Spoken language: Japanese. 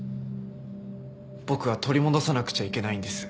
僕は取り戻さなくちゃいけないんです。